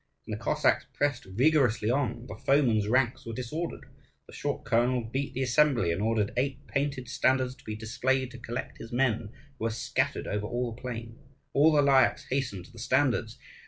And the Cossacks pressed vigorously on: the foemen's ranks were disordered. The short colonel beat the assembly, and ordered eight painted standards to be displayed to collect his men, who were scattered over all the plain. All the Lyakhs hastened to the standards.